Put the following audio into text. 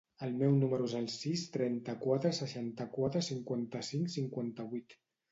El meu número es el sis, trenta-quatre, seixanta-quatre, cinquanta-cinc, cinquanta-vuit.